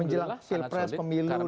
menjelang silpres pemilu dan awal